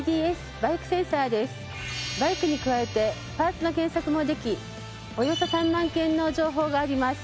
バイクに加えてパーツの検索もできおよそ３万件の情報があります。